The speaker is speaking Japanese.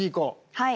はい。